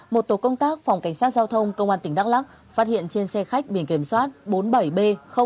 một tổ công tác phòng cảnh sát giao thông công an tỉnh đắk lắc phát hiện trên xe khách biển kiểm soát bốn mươi bảy b một nghìn sáu trăm bảy